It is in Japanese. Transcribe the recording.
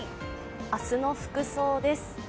明日の服装です。